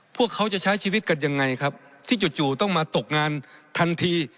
พวกเขาจะใช้ชีวิตกันยังไงครับที่จู่ต้องมาตกงานทันที